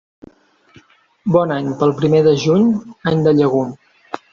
Bon any pel primer de juny, any de llegum.